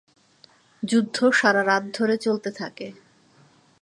যুদ্ধ সারা রাত ধরে চলতে থাকে।